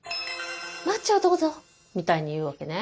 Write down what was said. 「マッチをどうぞ」みたいに言うわけね。